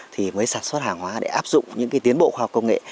thì mới sản xuất hàng hóa để áp dụng những tiến bộ khoa học công nghệ